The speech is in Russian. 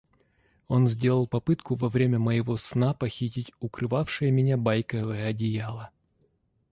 – Он сделал попытку во время моего сна похитить укрывавшее меня байковое одеяло.